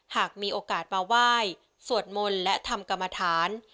หากมีโอกาสมาไหว้สวดมนต์และทำกรรมฐาน